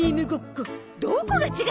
どこが違うのよ！